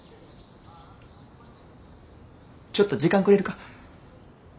ちょっと時間くれるか。